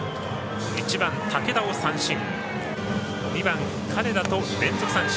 １番、武田を三振。